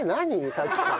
さっきから。